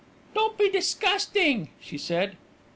"Don't be disgusting," she said.